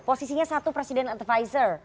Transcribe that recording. posisinya satu presidential advisor